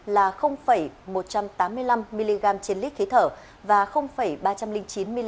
là một trăm tám mươi năm mg trên lít khí thở và ba trăm linh mg trên lít khí thở